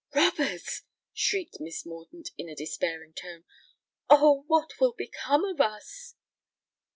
"Robbers!" shrieked Miss Mordaunt in a despairing tone: "Oh! what will become of us?"